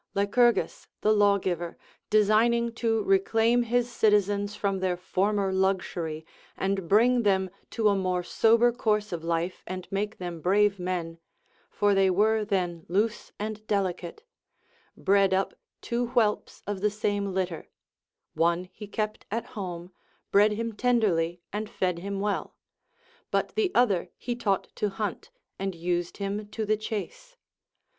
Lycurgus the lawgiver, designing to reclaim his citizens from their former luxury and bring them to a more sober course of life and make them brave men (for they were then loose and delicate), bred up two whelps of the same litter ; one he kept at home, bred him tenderly, and fed him well ; but the other he taught to hunt, and used him to the chase.